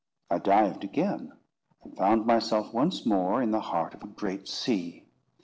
I dived again, and found myself once more in the heart of a great sea.